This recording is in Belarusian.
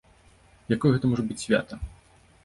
Якое гэта можа быць свята?